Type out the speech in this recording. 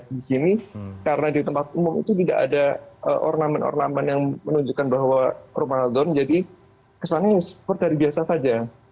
di sini karena di tempat umum itu tidak ada ornamen ornamen yang menunjukkan bahwa ramadan jadi kesannya seperti biasa saja